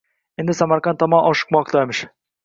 Endi Samarqand tomon oshiqmoqdamiz.